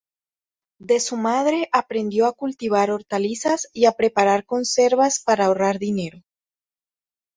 De su madre aprendió a cultivar hortalizas y a preparar conservas para ahorrar dinero.